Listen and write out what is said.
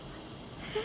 えっ？